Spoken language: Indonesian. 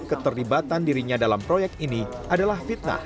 keterlibatan dirinya dalam proyek ini adalah fitnah